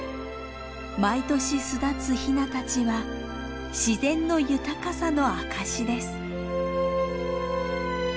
毎年巣立つヒナたちは自然の豊かさの証しです。